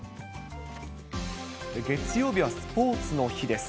月曜日はスポーツの日です。